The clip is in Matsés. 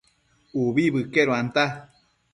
Ubi bëqueduanta